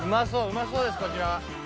うまそうですこちら。